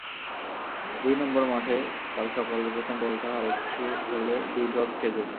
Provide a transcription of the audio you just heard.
দুই নম্বর মাঠে কাল সকালের প্রথম বলটা আরেকটু হলে দুই ড্রপ খেয়ে যেত।